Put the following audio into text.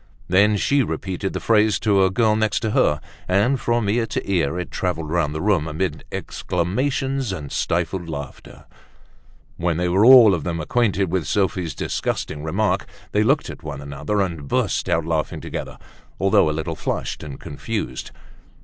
Then she repeated the phrase to a girl next to her, and from ear to ear it traveled round the room amid exclamations and stifled laughter. When they were all of them acquainted with Sophie's disgusting remark they looked at one another and burst out laughing together although a little flushed and confused.